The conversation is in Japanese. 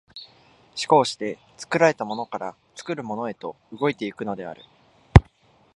而して作られたものから作るものへと動いて行くのである。